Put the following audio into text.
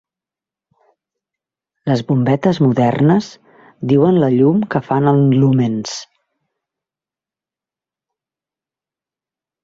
Les bombetes modernes diuen la llum que fan en lúmens.